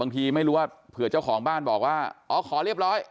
ไม่รู้ว่าเผื่อเจ้าของบ้านบอกว่าอ๋อขอเรียบร้อย